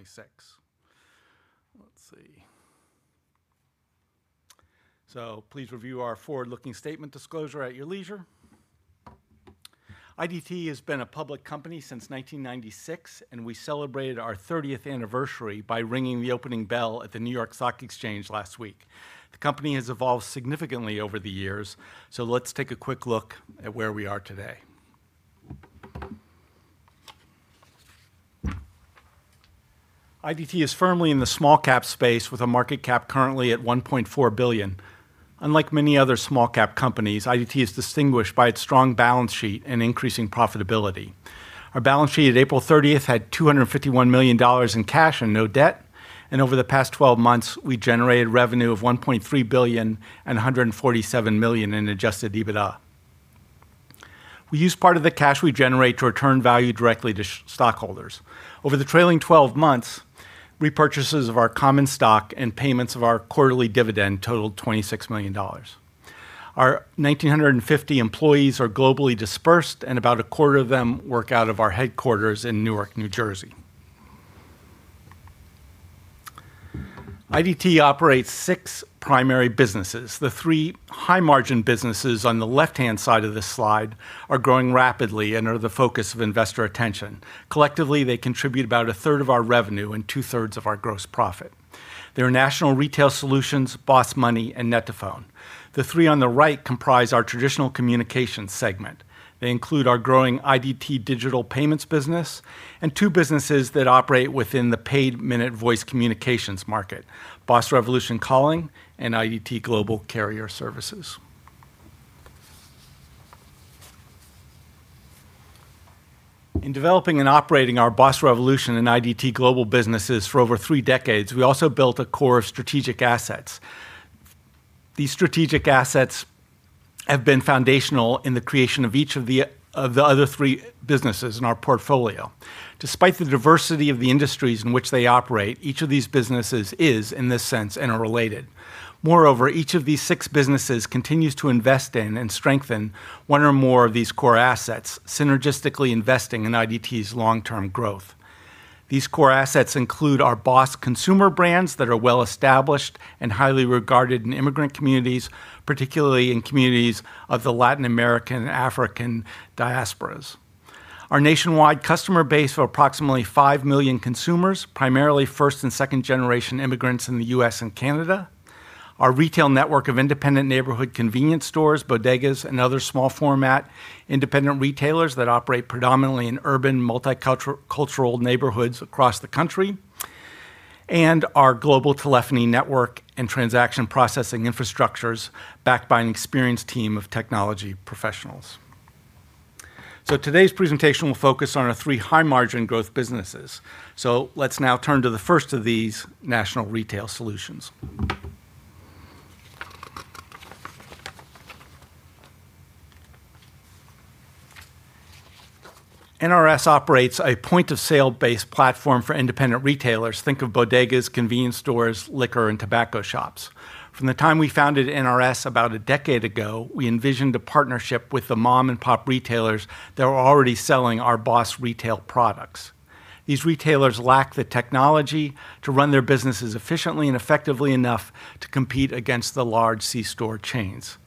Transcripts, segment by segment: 26. Let's see. Please review our forward-looking statement disclosure at your leisure. IDT has been a public company since 1996, and we celebrated our 30th anniversary by ringing the opening bell at the New York Stock Exchange last week. The company has evolved significantly over the years. Let's take a quick look at where we are today. IDT is firmly in the small-cap space with a market cap currently at $1.4 billion. Unlike many other small-cap companies, IDT is distinguished by its strong balance sheet and increasing profitability. Our balance sheet at April 30th had $251 million in cash and no debt, and over the past 12 months, we generated revenue of $1.3 billion and $147 million in adjusted EBITDA. We use part of the cash we generate to return value directly to stockholders. Over the trailing 12 months, repurchases of our common stock and payments of our quarterly dividend totaled $26 million. Our 1,950 employees are globally dispersed, and about a quarter of them work out of our headquarters in Newark, New Jersey. IDT operates six primary businesses. The three high-margin businesses on the left-hand side of this slide are growing rapidly and are the focus of investor attention. Collectively, they contribute about a third of our revenue and two-thirds of our gross profit. They are National Retail Solutions, BOSS Money, and net2phone. The three on the right comprise our traditional communications segment. They include our growing IDT Digital Payments business and two businesses that operate within the paid-minute voice communications market, BOSS Revolution Calling and IDT Global Carrier Services. In developing and operating our BOSS Revolution and IDT Global businesses for over three decades, we also built a core of strategic assets. These strategic assets have been foundational in the creation of each of the other three businesses in our portfolio. Despite the diversity of the industries in which they operate, each of these businesses is, in this sense, interrelated. Moreover, each of these six businesses continues to invest in and strengthen one or more of these core assets, synergistically investing in IDT's long-term growth. These core assets include our BOSS consumer brands that are well-established and highly regarded in immigrant communities, particularly in communities of the Latin American and African diasporas. Our nationwide customer base of approximately five million consumers, primarily first and second-generation immigrants in the U.S. and Canada. Our retail network of independent neighborhood convenience stores, bodegas, and other small-format independent retailers that operate predominantly in urban, multicultural neighborhoods across the country. Our global telephony network and transaction processing infrastructures, backed by an experienced team of technology professionals. Today's presentation will focus on our three high-margin growth businesses. Let's now turn to the first of these, National Retail Solutions. NRS operates a point-of-sale based platform for independent retailers. Think of bodegas, convenience stores, liquor, and tobacco shops. From the time we founded NRS about a decade ago, we envisioned a partnership with the mom-and-pop retailers that were already selling our BOSS retail products. These retailers lack the technology to run their businesses efficiently and effectively enough to compete against the large c-store chains.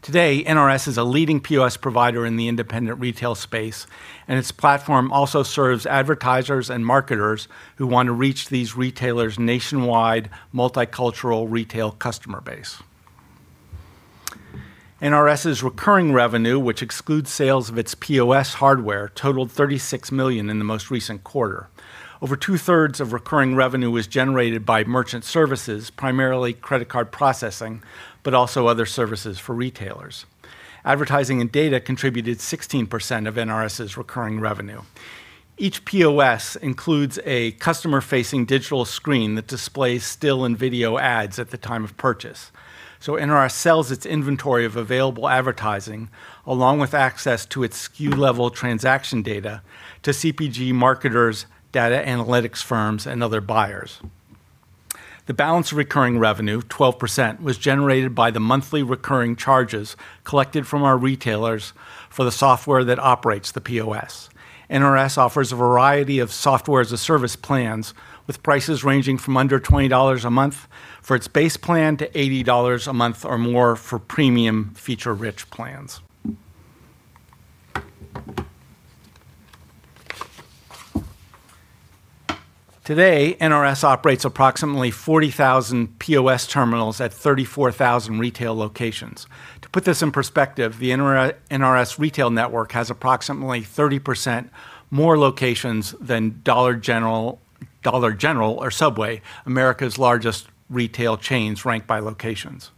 Today, NRS is a leading POS provider in the independent retail space, and its platform also serves advertisers and marketers who want to reach these retailers' nationwide, multicultural retail customer base. NRS's recurring revenue, which excludes sales of its POS hardware, totaled $36 million in the most recent quarter. Over two-thirds of recurring revenue was generated by merchant services, primarily credit card processing, but also other services for retailers. Advertising and data contributed 16% of NRS's recurring revenue. Each POS includes a customer-facing digital screen that displays still and video ads at the time of purchase. NRS sells its inventory of available advertising, along with access to its SKU-level transaction data, to CPG marketers, data analytics firms, and other buyers. The balance of recurring revenue, 12%, was generated by the monthly recurring charges collected from our retailers for the Software as a Service that operates the POS. NRS offers a variety of Software as a Service plans, with prices ranging from under $20 a month for its base plan to $80 a month or more for premium feature-rich plans. Today, NRS operates approximately 40,000 POS terminals at 34,000 retail locations. To put this in perspective, the NRS retail network has approximately 30% more locations than Dollar General or Subway, America's largest retail chains ranked by locations.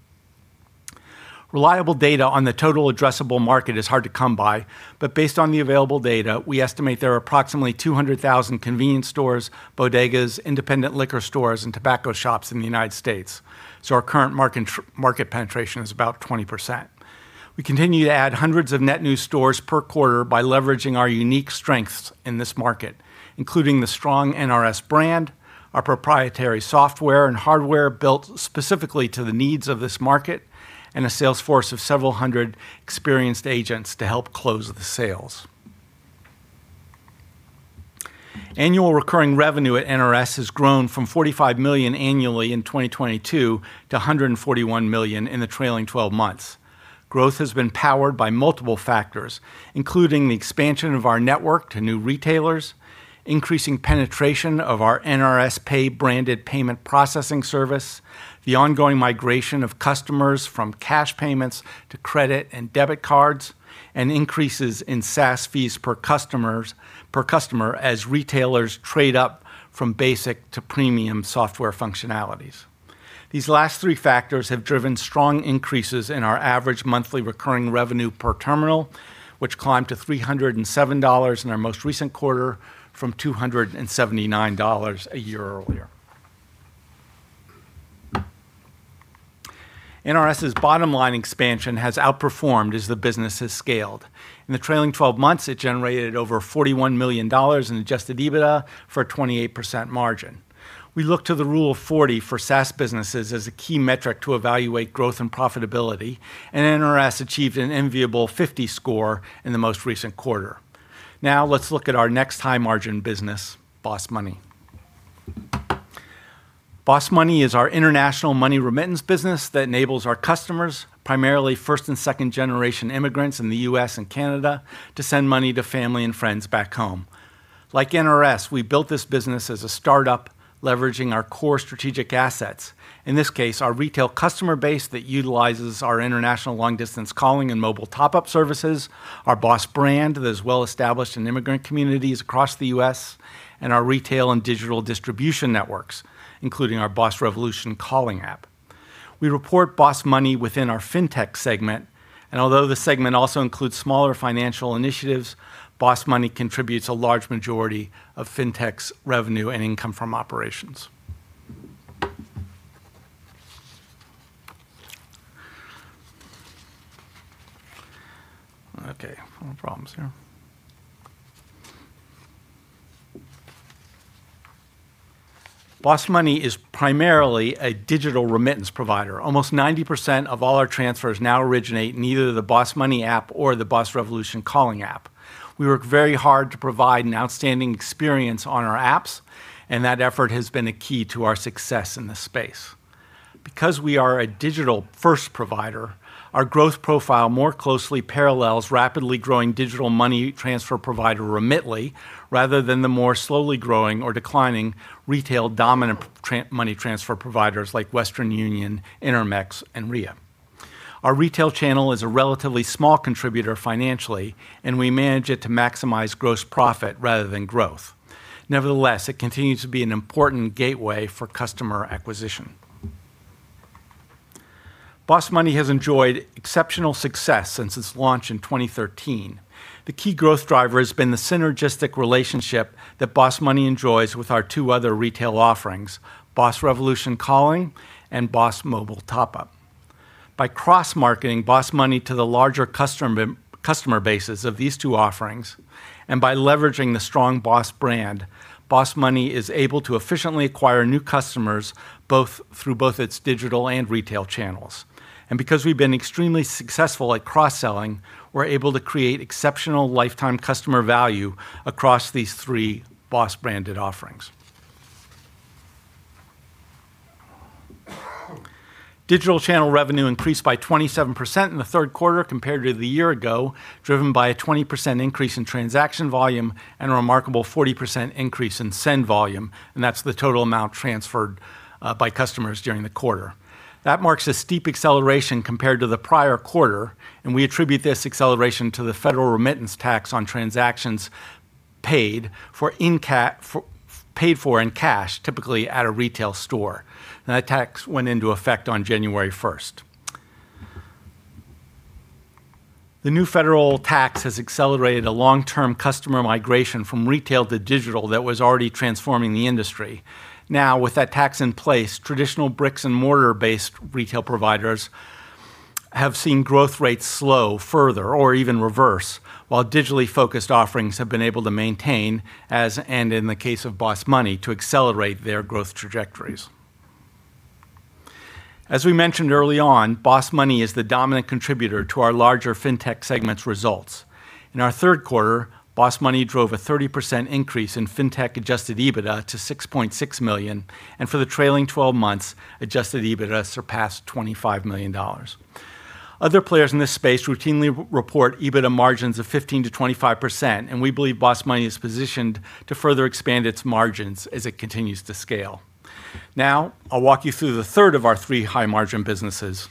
Reliable data on the total addressable market is hard to come by, but based on the available data, we estimate there are approximately 200,000 convenience stores, bodegas, independent liquor stores, and tobacco shops in the United States. Our current market penetration is about 20%. We continue to add hundreds of net new stores per quarter by leveraging our unique strengths in this market, including the strong NRS brand, our proprietary software and hardware built specifically to the needs of this market, and a sales force of several hundred experienced agents to help close the sales. Annual recurring revenue at NRS has grown from $45 million annually in 2022 to $141 million in the trailing 12 months. Growth has been powered by multiple factors, including the expansion of our network to new retailers, increasing penetration of our NRS PAY branded payment processing service, the ongoing migration of customers from cash payments to credit and debit cards, and increases in SaaS fees per customer as retailers trade up from basic to premium software functionalities. These last three factors have driven strong increases in our average monthly recurring revenue per terminal, which climbed to $307 in our most recent quarter from $279 a year earlier. NRS's bottom-line expansion has outperformed as the business has scaled. In the trailing 12 months, it generated over $41 million in adjusted EBITDA for a 28% margin. We look to the Rule of 40 for SaaS businesses as a key metric to evaluate growth and profitability, and NRS achieved an enviable 50 score in the most recent quarter. Let's look at our next high-margin business, BOSS Money. BOSS Money is our international money remittance business that enables our customers, primarily first and second-generation immigrants in the U.S. and Canada, to send money to family and friends back home. Like NRS, we built this business as a startup leveraging our core strategic assets. In this case, our retail customer base that utilizes our international long-distance calling and mobile top-up services, our BOSS brand that is well-established in immigrant communities across the U.S., and our retail and digital distribution networks, including our BOSS Revolution Calling app. We report BOSS Money within our Fintech segment, and although the segment also includes smaller financial initiatives, BOSS Money contributes a large majority of Fintech's revenue and income from operations. Okay, having problems here. BOSS Money is primarily a digital remittance provider. Almost 90% of all our transfers now originate in either the BOSS Money App or the BOSS Revolution Calling app. We work very hard to provide an outstanding experience on our apps, and that effort has been a key to our success in this space. Because we are a digital-first provider, our growth profile more closely parallels rapidly growing digital money transfer provider Remitly, rather than the more slowly growing or declining retail-dominant money transfer providers like Western Union, Intermex, and Ria. Our retail channel is a relatively small contributor financially, and we manage it to maximize gross profit rather than growth. Nevertheless, it continues to be an important gateway for customer acquisition. BOSS Money has enjoyed exceptional success since its launch in 2013. The key growth driver has been the synergistic relationship that BOSS Money enjoys with our two other retail offerings, BOSS Revolution Calling and BOSS Revolution Mobile Top-Up. By cross-marketing BOSS Money to the larger customer bases of these two offerings, and by leveraging the strong BOSS brand, BOSS Money is able to efficiently acquire new customers through both its digital and retail channels. Because we've been extremely successful at cross-selling, we're able to create exceptional lifetime customer value across these three BOSS-branded offerings. Digital channel revenue increased by 27% in the third quarter compared to the year ago, driven by a 20% increase in transaction volume and a remarkable 40% increase in send volume, and that's the total amount transferred by customers during the quarter. That marks a steep acceleration compared to the prior quarter. We attribute this acceleration to the federal remittance tax on transactions paid for in cash, typically at a retail store. That tax went into effect on January 1st. The new federal tax has accelerated a long-term customer migration from retail to digital that was already transforming the industry. With that tax in place, traditional bricks and mortar based retail providers have seen growth rates slow further or even reverse, while digitally focused offerings have been able to maintain as, and in the case of BOSS Money, to accelerate their growth trajectories. As we mentioned early on, BOSS Money is the dominant contributor to our larger Fintech segment's results. In our third quarter, BOSS Money drove a 30% increase in Fintech adjusted EBITDA to $6.6 million, and for the trailing 12 months, adjusted EBITDA surpassed $25 million. Other players in this space routinely report EBITDA margins of 15%-25%. We believe BOSS Money is positioned to further expand its margins as it continues to scale. I'll walk you through the third of our three high-margin businesses,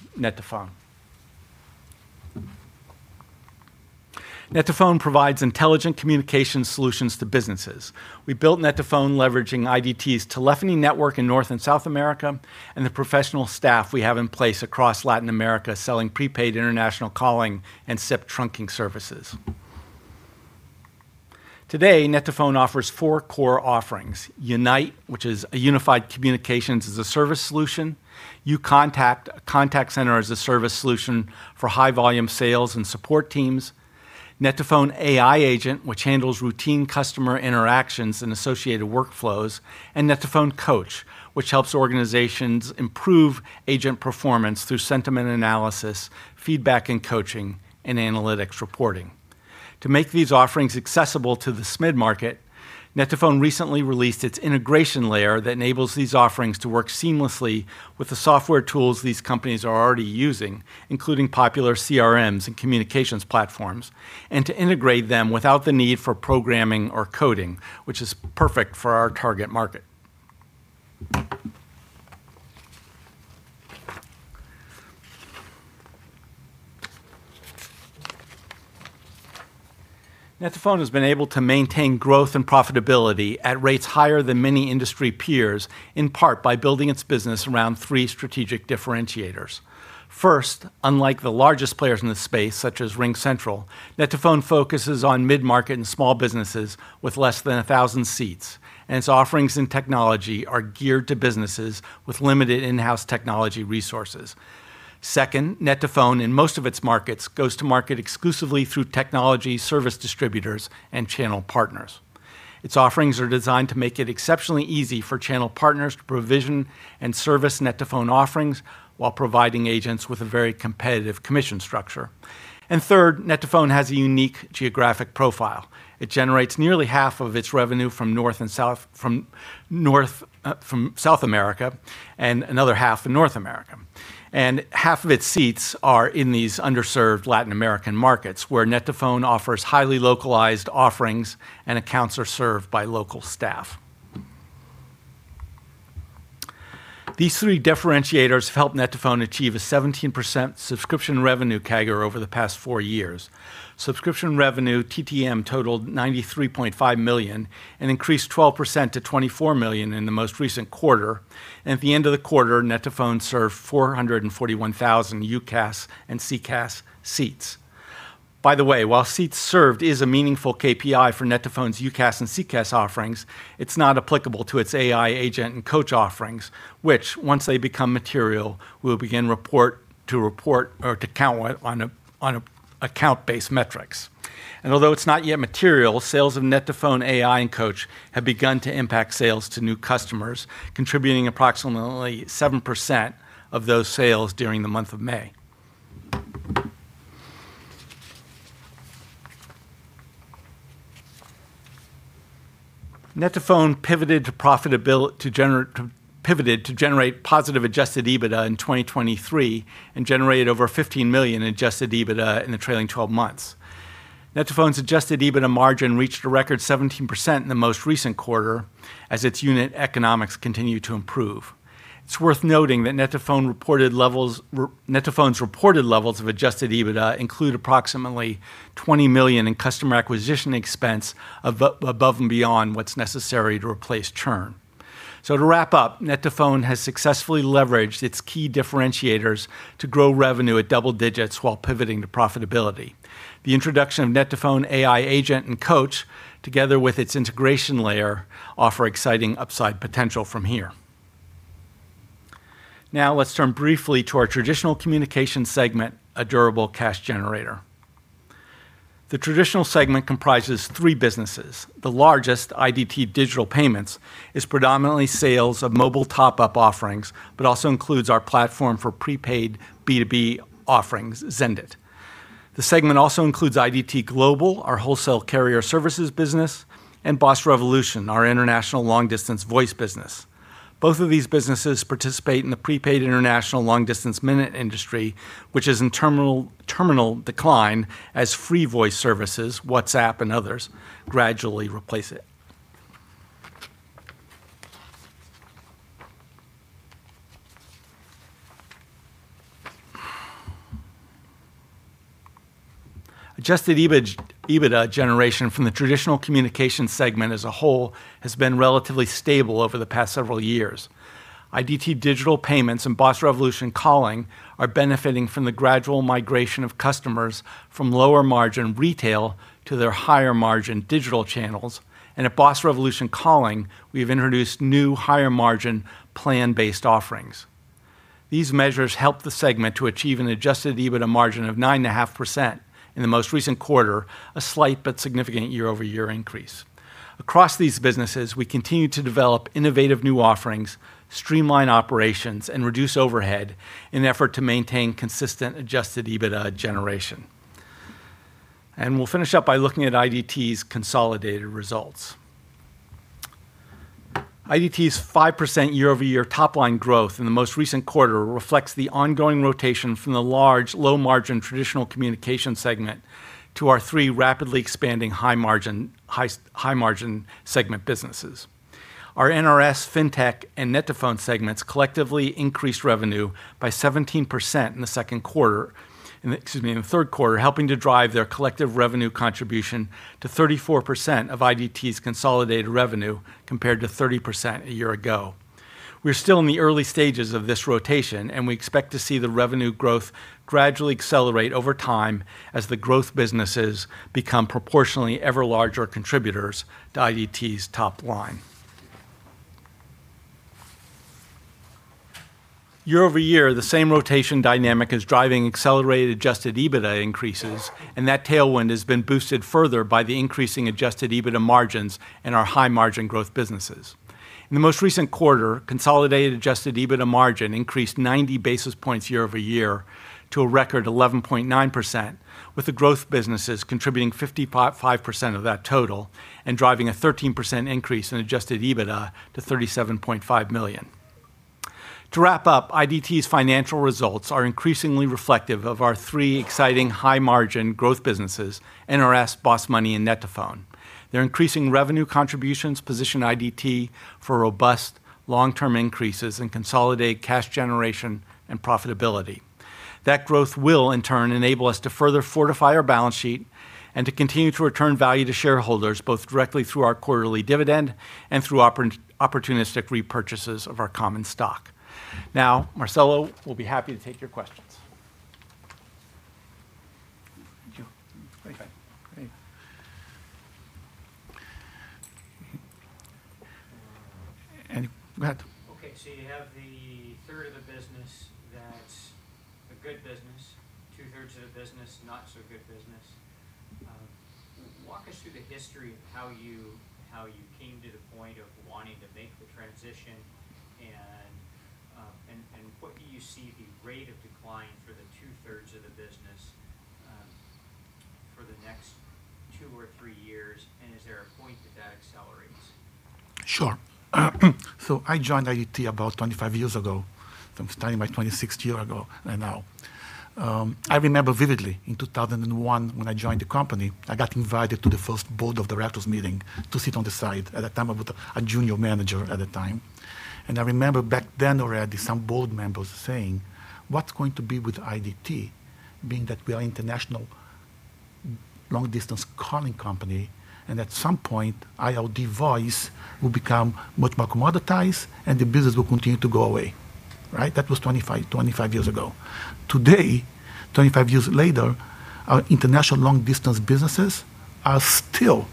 net2phone. net2phone provides intelligent communication solutions to businesses. We built net2phone leveraging IDT's telephony network in North and South America, and the professional staff we have in place across Latin America selling prepaid international calling and SIP trunking services. Today, net2phone offers four core offerings. Unite, which is a unified communications as a service solution. uContact, a contact center as a service solution for high volume sales and support teams. net2phone AI Agent, which handles routine customer interactions and associated workflows. net2phone Coach, which helps organizations improve agent performance through sentiment analysis, feedback and coaching, and analytics reporting. To make these offerings accessible to the mid-market, net2phone recently released its integration layer that enables these offerings to work seamlessly with the software tools these companies are already using, including popular CRMs and communications platforms, and to integrate them without the need for programming or coding, which is perfect for our target market. net2phone has been able to maintain growth and profitability at rates higher than many industry peers, in part by building its business around three strategic differentiators. First, unlike the largest players in this space, such as RingCentral, net2phone focuses on mid-market and small businesses with less than 1,000 seats, and its offerings and technology are geared to businesses with limited in-house technology resources. Second, net2phone, in most of its markets, goes to market exclusively through technology service distributors and channel partners. Its offerings are designed to make it exceptionally easy for channel partners to provision and service net2phone offerings while providing agents with a very competitive commission structure. Third, net2phone has a unique geographic profile. It generates nearly half of its revenue from South America and another half in North America. Half of its seats are in these underserved Latin American markets, where net2phone offers highly localized offerings, and accounts are served by local staff. These three differentiators have helped net2phone achieve a 17% subscription revenue CAGR over the past four years. Subscription revenue TTM totaled $93.5 million and increased 12% to $24 million in the most recent quarter. At the end of the quarter, net2phone served 441,000 UCaaS and CCaaS seats. By the way, while seats served is a meaningful KPI for net2phone's UCaaS and CCaaS offerings, it's not applicable to its AI Agent and Coach offerings, which once they become material, we'll begin to count on account-based metrics. Although it's not yet material, sales of net2phone AI and Coach have begun to impact sales to new customers, contributing approximately 7% of those sales during the month of May. net2phone pivoted to generate positive adjusted EBITDA in 2023 and generated over $15 million in adjusted EBITDA in the trailing 12 months. net2phone's adjusted EBITDA margin reached a record 17% in the most recent quarter as its unit economics continue to improve. It's worth noting that net2phone's reported levels of adjusted EBITDA include approximately $20 million in customer acquisition expense above and beyond what's necessary to replace churn. To wrap up, net2phone has successfully leveraged its key differentiators to grow revenue at double digits while pivoting to profitability. The introduction of net2phone AI Agent and Coach, together with its integration layer, offer exciting upside potential from here. Let's turn briefly to our traditional communication segment, a durable cash generator. The traditional segment comprises three businesses. The largest, IDT Digital Payments, is predominantly sales of mobile top-up offerings but also includes our platform for prepaid B2B offerings, Zendit. The segment also includes IDT Global, our wholesale carrier services business, and BOSS Revolution, our international long-distance voice business. Both of these businesses participate in the prepaid international long-distance minute industry, which is in terminal decline as free voice services, WhatsApp and others, gradually replace it. Adjusted EBITDA generation from the traditional communication segment as a whole has been relatively stable over the past several years. IDT Digital Payments and BOSS Revolution Calling are benefiting from the gradual migration of customers from lower-margin retail to their higher-margin digital channels. At BOSS Revolution Calling, we've introduced new higher-margin plan-based offerings. These measures help the segment to achieve an adjusted EBITDA margin of 9.5% in the most recent quarter, a slight but significant year-over-year increase. Across these businesses, we continue to develop innovative new offerings, streamline operations, and reduce overhead in an effort to maintain consistent adjusted EBITDA generation. We'll finish up by looking at IDT's consolidated results. IDT's 5% year-over-year top-line growth in the most recent quarter reflects the ongoing rotation from the large, low-margin traditional communication segment to our three rapidly expanding high-margin segment businesses. Our NRS, Fintech, and net2phone segments collectively increased revenue by 17% in the second quarter, excuse me, in the third quarter, helping to drive their collective revenue contribution to 34% of IDT's consolidated revenue compared to 30% a year ago. We're still in the early stages of this rotation. We expect to see the revenue growth gradually accelerate over time as the growth businesses become proportionally ever larger contributors to IDT's top line. Year-over-year, the same rotation dynamic is driving accelerated adjusted EBITDA increases. That tailwind has been boosted further by the increasing adjusted EBITDA margins in our high-margin growth businesses. In the most recent quarter, consolidated adjusted EBITDA margin increased 90 basis points year-over-year to a record 11.9%, with the growth businesses contributing 55% of that total and driving a 13% increase in adjusted EBITDA to $37.5 million. To wrap up, IDT's financial results are increasingly reflective of our three exciting high-margin growth businesses, NRS, BOSS Money, and net2phone. Their increasing revenue contributions position IDT for robust long-term increases in consolidated cash generation and profitability. That growth will, in turn, enable us to further fortify our balance sheet and to continue to return value to shareholders, both directly through our quarterly dividend and through opportunistic repurchases of our common stock. Marcelo will be happy to take your questions. Thank you. Okay, great. Any. Go ahead. Okay, you have the third of the business that's a good business, two-thirds of the business, not so good business. Walk us through the history of how you came to the point of wanting to make the transition, and what do you see the rate of decline for the two-thirds of the business for the next two or three years, and is there a point that that accelerates? Sure. I joined IDT about 25 years ago. I'm starting my 26th year now. I remember vividly in 2001 when I joined the company, I got invited to the first board of directors meeting to sit on the side. At that time, I was a junior manager. I remember back then already some board members saying, "What's going to be with IDT, being that we are an international long-distance calling company, and at some point, ILD voice will become much more commoditized, and the business will continue to go away?" Right? That was 25 years ago. Today, 25 years later, our international long-distance businesses are still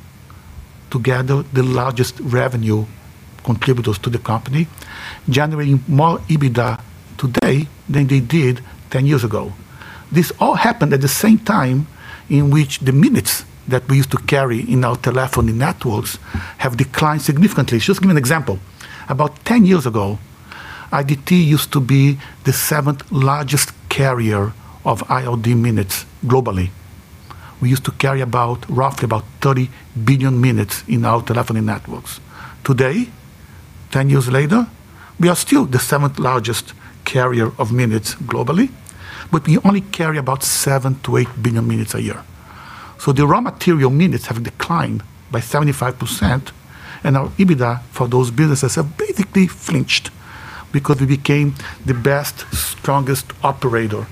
together the largest revenue contributors to the company, generating more EBITDA today than they did 10 years ago. This all happened at the same time in which the minutes that we used to carry in our telephony networks have declined significantly. Just to give you an example. About 10 years ago, IDT used to be the seventh-largest carrier of ILD minutes globally. We used to carry roughly about 30 billion minutes in our telephony networks. Today, 10 years later, we are still the seventh-largest carrier of minutes globally, but we only carry about seven to eight billion minutes a year. The raw material minutes have declined by 75%, and our EBITDA for those businesses have basically flinched because we became the best, strongest operator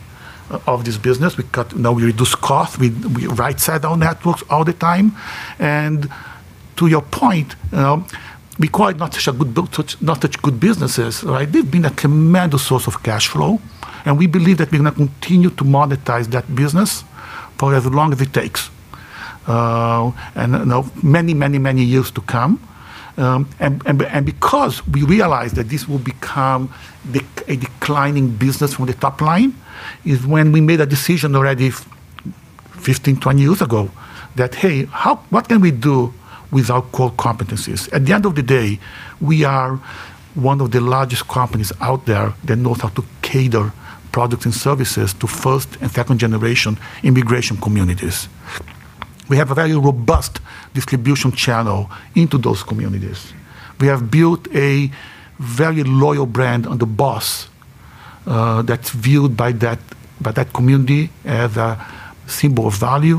of this business. We reduce costs. We right-size our networks all the time. To your point, because not such good businesses, right? They've been a tremendous source of cash flow, and we believe that we're going to continue to monetize that business for as long as it takes, and many years to come. Because we realized that this will become a declining business from the top line is when we made a decision already 15, 20 years ago that, "Hey, what can we do with our core competencies?" At the end of the day, we are one of the largest companies out there that knows how to cater products and services to first- and second-generation immigration communities. We have a very robust distribution channel into those communities. We have built a very loyal brand under BOSS that's viewed by that community as a symbol of value,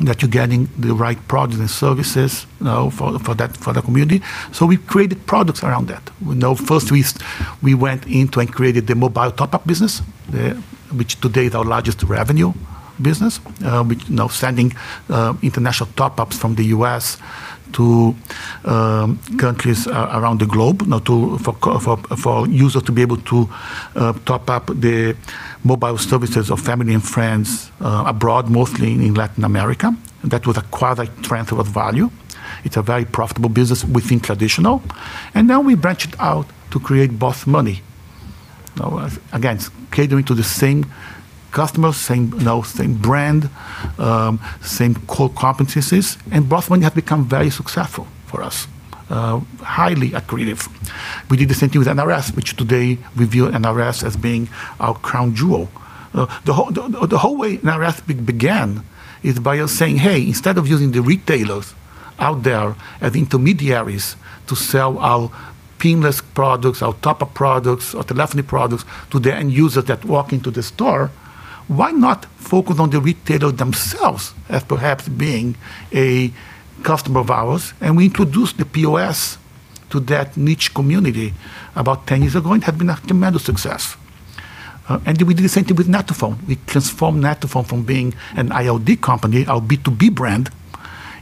that you're getting the right products and services for the community. We created products around that. First, we went into and created the mobile top-up business, which today is our largest revenue business, now sending international top-ups from the U.S. to countries around the globe for users to be able to top up the mobile services of family and friends abroad, mostly in Latin America. That was quite a transfer of value. It's a very profitable business within traditional. Now we branched out to create BOSS Money. Again, catering to the same customers, same brand, same core competencies, and BOSS Money has become very successful for us. Highly accretive. We did the same thing with NRS, which today we view NRS as being our crown jewel. The whole way NRS began is by us saying, "Hey, instead of using the retailers out there as intermediaries to sell our pinless products, our top-up products, our telephony products to the end user that walk into the store, why not focus on the retailer themselves as perhaps being a customer of ours?" We introduced the POS to that niche community about 10 years ago, and it has been a tremendous success. We did the same thing with net2phone. We transformed net2phone from being an ILD company, our B2B brand,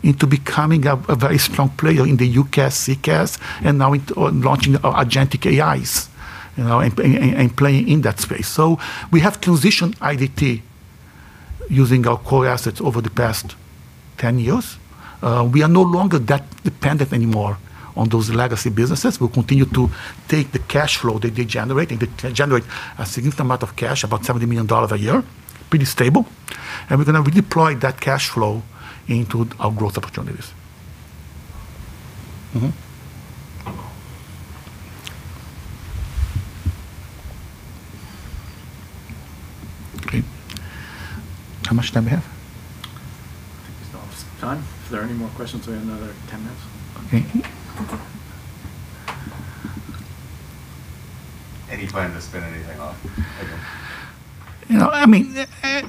into becoming a very strong player in the UCaaS, CCaaS, and now launching our agentic AIs and playing in that space. We have transitioned IDT using our core assets over the past 10 years, we are no longer that dependent anymore on those legacy businesses. We'll continue to take the cash flow that they generate. They generate a significant amount of cash, about $70 million a year, pretty stable. We're going to redeploy that cash flow into our growth opportunities. Okay. How much time we have? I think we still have some time. If there are any more questions, we have another 10 minutes. Okay. Any plan to spin anything off again?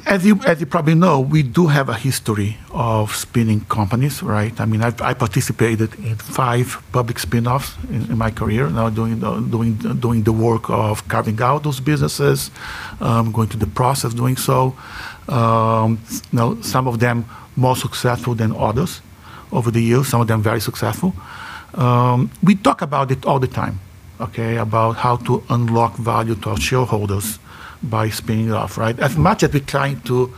As you probably know, we do have a history of spinning companies, right? I participated in five public spinoffs in my career, now doing the work of carving out those businesses, going through the process of doing so. Some of them more successful than others over the years. Some of them very successful. We talk about it all the time, okay? About how to unlock value to our shareholders by spinning it off, right? As much as we're trying to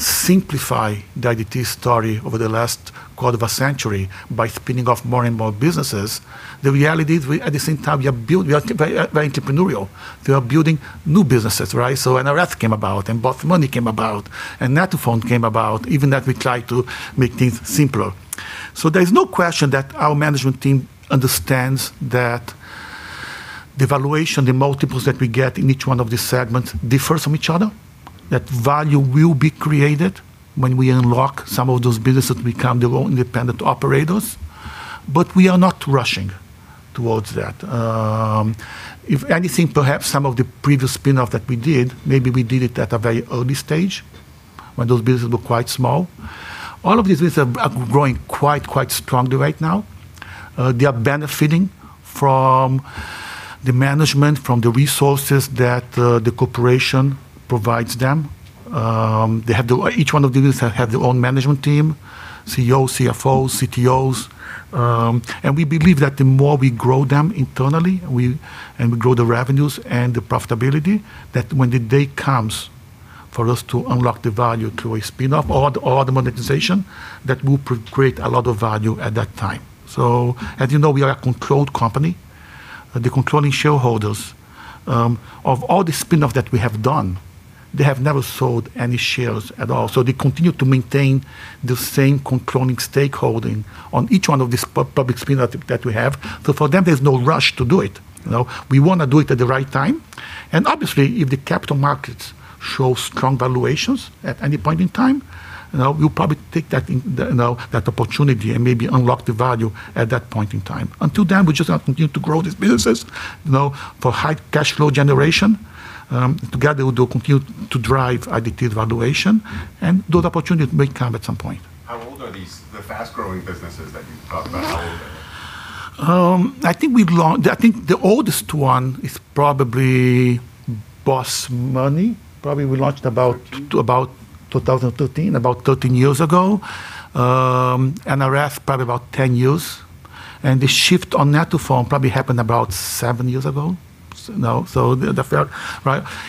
simplify the IDT story over the last quarter of a century by spinning off more and more businesses, the reality is we, at the same time, we are very entrepreneurial. We are building new businesses, right? NRS came about, and BOSS Money came about, and net2phone came about, even as we try to make things simpler. There's no question that our management team understands that the valuation, the multiples that we get in each one of these segments differs from each other, that value will be created when we unlock some of those businesses to become their own independent operators. We are not rushing towards that. If anything, perhaps some of the previous spinoff that we did, maybe we did it at a very early stage when those businesses were quite small. All of these are growing quite strongly right now. They are benefiting from the management, from the resources that the corporation provides them. Each one of the business have their own management team, CEOs, CFOs, CTOs. We believe that the more we grow them internally, and we grow the revenues and the profitability, that when the day comes for us to unlock the value through a spinoff or the monetization, that will create a lot of value at that time. As you know, we are a controlled company. The controlling shareholders, of all the spinoff that we have done, they have never sold any shares at all. They continue to maintain the same controlling stake holding on each one of these public spinoff that we have. For them, there's no rush to do it. We want to do it at the right time, and obviously, if the capital markets show strong valuations at any point in time, we'll probably take that opportunity and maybe unlock the value at that point in time. Until then, we just continue to grow these businesses for high cash flow generation, together with the compute to drive IDT valuation, and those opportunities may come at some point. How old are the fast-growing businesses that you've talked about? How old are they? I think the oldest one is probably BOSS Money. Probably we launched about 2013 2013, about 13 years ago. NRS probably about 10 years. The shift on net2phone probably happened about seven years ago. The third.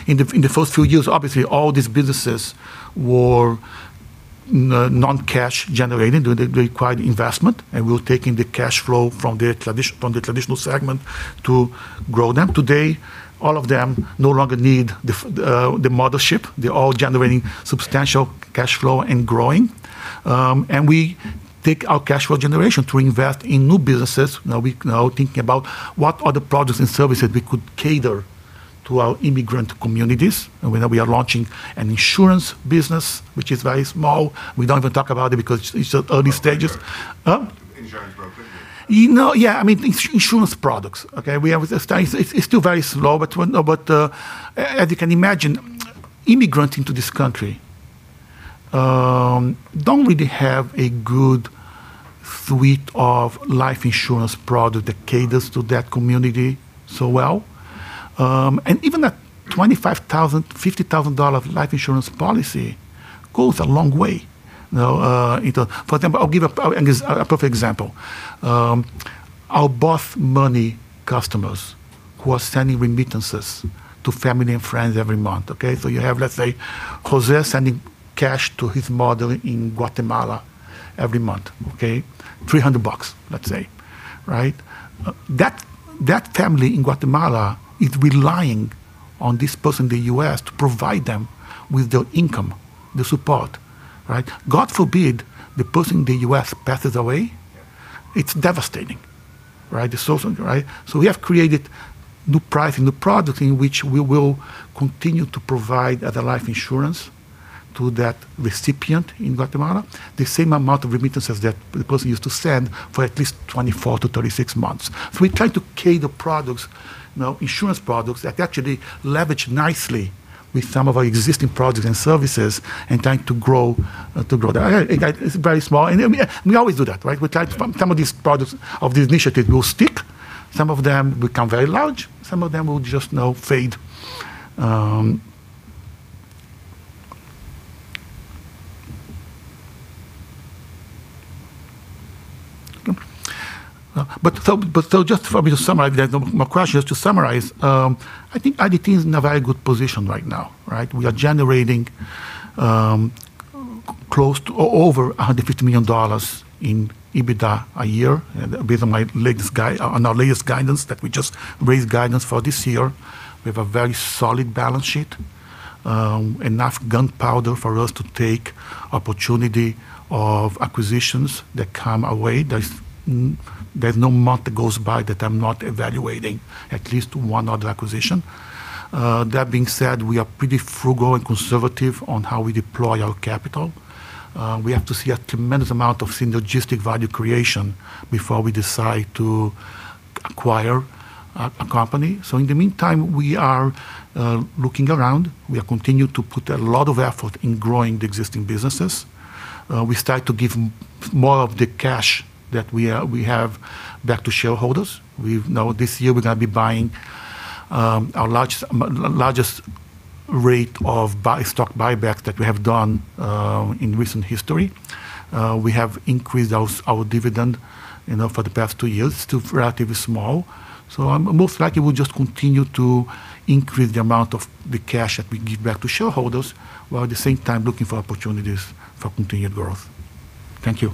In the first few years, obviously, all these businesses were non-cash generating. They required investment, and we were taking the cash flow from the traditional segment to grow them. Today, all of them no longer need the mothership. They're all generating substantial cash flow and growing. We take our cash flow generation to invest in new businesses. Now we're thinking about what are the products and services we could cater to our immigrant communities, we know we are launching an insurance business, which is very small. We don't even talk about it because it's early stages. Insurance broker? No. Yeah. Insurance products, okay? It's still very small. As you can imagine, immigrants into this country don't really have a good suite of life insurance product that caters to that community so well. And even a $25,000, $50,000 life insurance policy goes a long way. I'll give a perfect example. Our BOSS Money customers who are sending remittances to family and friends every month, okay? You have, let's say, José sending cash to his mother in Guatemala every month, okay? $300, let's say, right? That family in Guatemala is relying on this person in the U.S. to provide them with their income, the support, right? God forbid, the person in the U.S. passes away. It's devastating, right? The source, right? We have created new pricing, new product in which we will continue to provide other life insurance to that recipient in Guatemala, the same amount of remittances that the person used to send for at least 24-36 months. We try to cater products, insurance products that actually leverage nicely with some of our existing products and services and trying to grow that. It's very small. We always do that, right? Some of these products of the initiative will stick. Some of them become very large. Some of them will just fade. For me to summarize, there are no more questions. To summarize, I think IDT is in a very good position right now, right? We are generating close to over $150 million in EBITDA a year, based on our latest guidance that we just raised guidance for this year. We have a very solid balance sheet, enough gunpowder for us to take opportunity of acquisitions that come our way. There's no month that goes by that I'm not evaluating at least one other acquisition. That being said, we are pretty frugal and conservative on how we deploy our capital. We have to see a tremendous amount of synergistic value creation before we decide to acquire a company. In the meantime, we are looking around. We continue to put a lot of effort in growing the existing businesses. We start to give more of the cash that we have back to shareholders. This year, we're going to be buying our largest rate of stock buybacks that we have done in recent history. We have increased our dividend for the past two years. It's still relatively small. Most likely, we'll just continue to increase the amount of the cash that we give back to shareholders, while at the same time looking for opportunities for continued growth. Thank you.